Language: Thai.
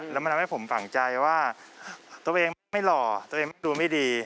แล้วมันทำให้ผมฝังใจว่าตัวเองไม่หล่อตัวเองดูไม่ดี